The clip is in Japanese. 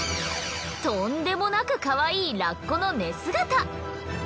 とんでもなくかわいいラッコの寝姿。